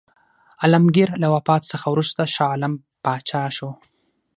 عالمګیر له وفات څخه وروسته شاه عالم پاچا شو.